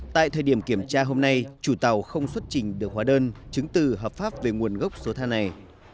tại thời điểm kiểm tra hôm nay chủ tàu không xuất trình được hóa đơn chứng từ hợp pháp về nguồn gốc số than này